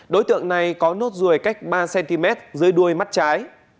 đối tượng này có nốt ruồi cách ba cm dưới đuôi mắt trái